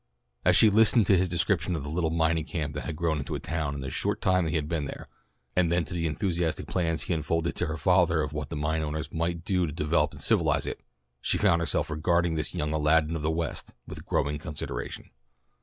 As she listened to his description of the little mining camp that had grown into a town in the short time he had been there, and then to the enthusiastic plans he unfolded to her father of what the mine owners might do to develop and civilize it, she found herself regarding this young Aladdin of the West with growing consideration.